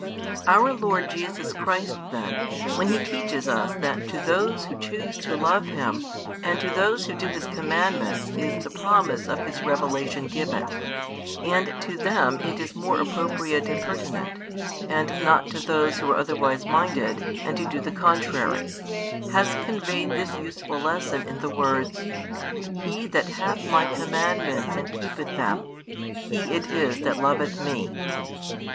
Our Lord Jesus Christ then, when He teaches us that to those who choose to love Him and to those who do His commandments is the promise of His revelation given, and to them it is more appropriate and pertinent, and not to those who are otherwise minded and who do the contrary, has conveyed this useful lesson in the words: He that hath My commandments and keepeth them, he it is that loveth Me.